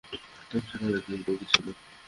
তবে সেখানে ত্রিলোকি ছিল।